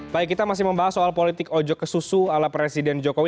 baik kita masih membahas soal politik ojok kesusu ala presiden jokowi